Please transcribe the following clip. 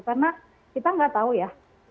karena kita nggak tahu ya